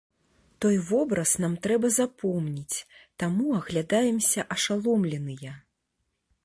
Той вобраз нам трэба запомніць, таму аглядаемся ашаломленыя.